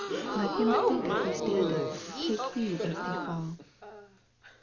" Let him that thinketh he standeth, take heed lest he fall."